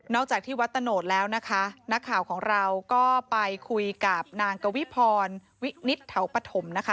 จากที่วัดตะโนดแล้วนะคะนักข่าวของเราก็ไปคุยกับนางกวิพรวินิตเถาปฐมนะคะ